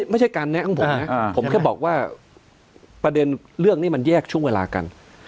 ไม่ใช่การแนะของผมนะผมแค่บอกว่าประเด็นเรื่องนี้มันแยกช่วงเวลากัน